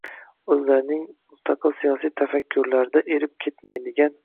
o‘zlarining mustaqil siyosiy tafakkurlarida erib ketmaydigan